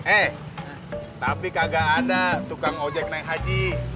eh tapi kagak ada tukang ojek naik haji